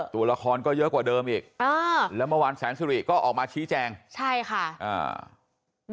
ตัวละครก็เยอะกว่าเดิมอีกอ่าแล้วเมื่อวานแสนสุริก็ออกมาชี้แจงใช่ค่ะอ่า